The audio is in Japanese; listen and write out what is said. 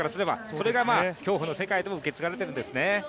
それが競歩の世界でも受け継がれているんですね。